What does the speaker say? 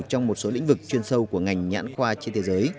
trong một số lĩnh vực chuyên sâu của ngành nhãn khoa trên thế giới